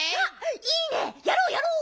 いいねやろうやろう！